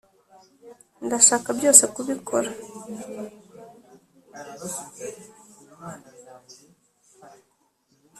ndashaka byose kubikora.